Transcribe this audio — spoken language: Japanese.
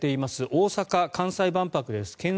大阪・関西万博です。